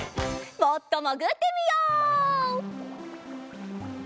もっともぐってみよう！